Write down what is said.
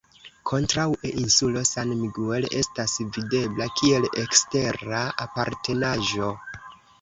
Kontraŭe insulo San Miguel estas videbla (kiel ekstera aparternaĵo).